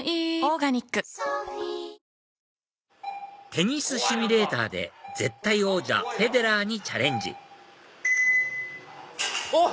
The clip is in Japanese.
テニスシミュレーターで絶対王者フェデラーにチャレンジあっ！